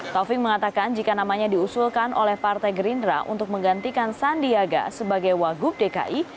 taufik mengatakan jika namanya diusulkan oleh partai gerindra untuk menggantikan sandiaga sebagai wagub dki